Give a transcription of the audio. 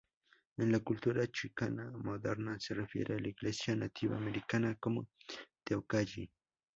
En la cultura chicana moderna se refiere a la Iglesia Nativa Americana como "teocalli".